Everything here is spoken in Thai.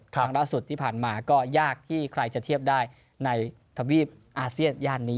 ครั้งล่าสุดที่ผ่านมาก็ยากที่ใครจะเทียบได้ในทวีปอาเซียนย่านนี้